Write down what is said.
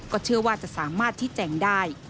เชื่อว่าจะสามารถชี้แจงได้